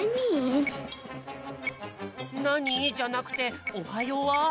「なに？」じゃなくて「おはよう」は？